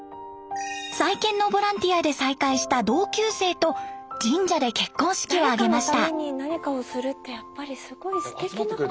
再建のボランティアで再会した同級生と神社で結婚式を挙げました。